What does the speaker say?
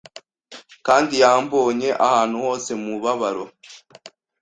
Kandi yambonye ahantu hose mubabaro